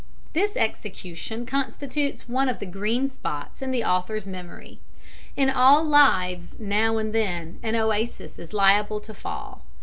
This execution constitutes one of the green spots in the author's memory. In all lives now and then an oasis is liable to fall.